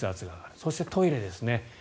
そして、トイレですね。